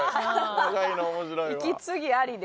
息継ぎありで。